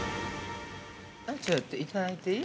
◆ちょっといただいていい？